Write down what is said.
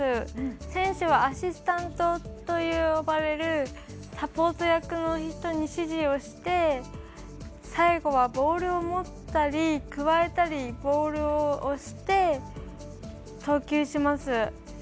選手はアシスタントと呼ばれるサポート役の人に指示をして最後はボールを持ったりくわえたりボールを押して投球します。